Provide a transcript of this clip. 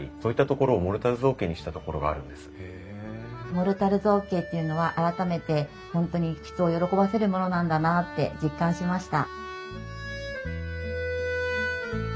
モルタル造形っていうのは改めて本当に人を喜ばせるものなんだなって実感しました。